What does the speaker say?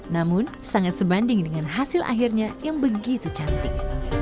namun sangat sebanding dengan hasil akhirnya yang begitu cantik